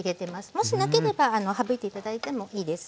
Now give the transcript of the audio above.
もしなければ省いて頂いてもいいです。